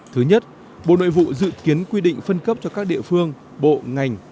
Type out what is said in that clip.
thứ nhất bộ nội vụ dự kiến quy định phân cấp cho các địa phương bộ ngành